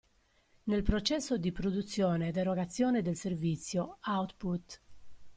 Nel processo di produzione ed erogazione del servizio (output).